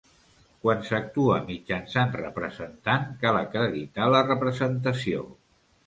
Quan s'actua mitjançant representant cal acreditar la representació.